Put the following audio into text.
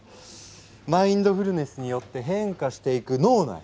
マインドフルネスによって変化していく脳内